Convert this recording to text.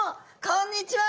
こんにちは。